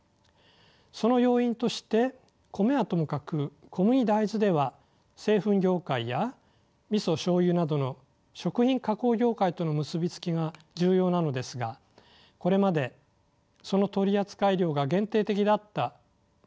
その要因として米はともかく小麦大豆では製粉業界や味噌しょうゆなどの食品加工業界との結び付きが重要なのですがこれまでその取扱量が限定的だったということがあります。